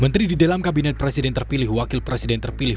menteri di dalam kabinet presiden terpilih wakil presiden terpilih